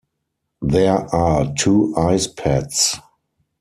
There are two ice pads.